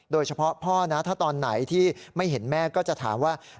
โดยเฉพาะพ่อนะถ้าตอนไหนที่ไม่เห็นแม่ก็จะถามว่า